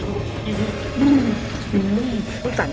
โอ้มันก็เกมมันก็เกมมันก็เกม